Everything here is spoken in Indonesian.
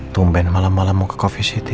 tumben malam malam mau ke coffeesity